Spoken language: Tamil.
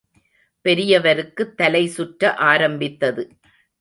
பெரியவருக்குத் தலை சுற்ற ஆரம்பித்தது.